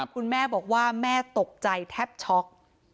คุณแม่บอกว่าแม่ตกใจแทบช็อก